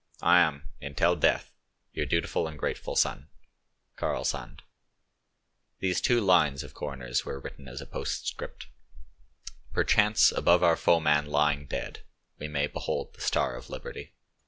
"I am, until death, your dutiful and grateful son, "KARL SAND." These two lines of Korner's were written as a postscript: "Perchance above our foeman lying dead We may behold the star of liberty."